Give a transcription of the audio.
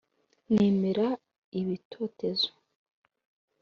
nemera ibitotezo